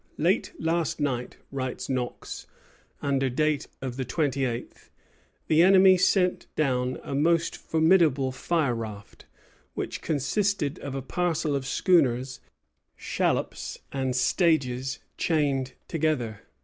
"Late last night," writes Knox, under date of the twenty eighth, "the enemy sent down a most formidable fireraft, which consisted of a parcel of schooners, shallops, and stages chained together.